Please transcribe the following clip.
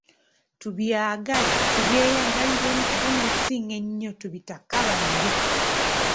Tubyagale, tubyeyagaliremu ate n’okusinga ennyo tubitakabanire.